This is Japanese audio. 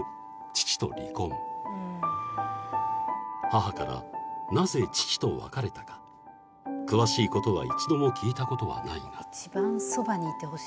［母からなぜ父と別れたか詳しいことは一度も聞いたことはないが］